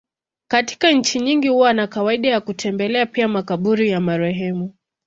Katika nchi nyingi huwa na kawaida ya kutembelea pia makaburi ya marehemu.